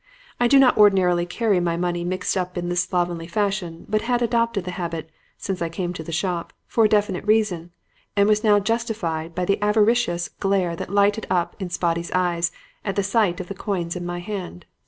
I do not ordinarily carry my money mixed up in this slovenly fashion, but had adopted the habit, since I came to the shop, for a definite reason; and was now justified by the avaricious glare that lighted up in Spotty's eye at the sight of the coins in my hand.